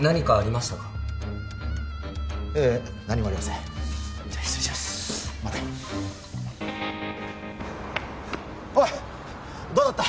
またおいどうだった？